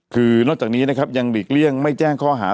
คือนอกจากนี้นะครับยังหลีกเลี่ยงไม่แจ้งข้อหา